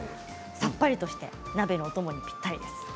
さっぱりとして鍋のお供にぴったりです。